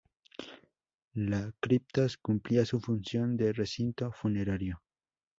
La criptas cumplía su función de recinto funerario.